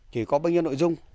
thì có bao nhiêu nội dung